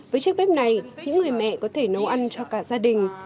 với chiếc bếp này những người mẹ có thể nấu ăn cho cả gia đình